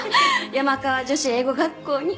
山川女子英語学校に。